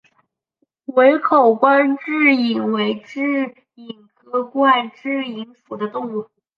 围口冠蛭蚓为蛭蚓科冠蛭蚓属的动物。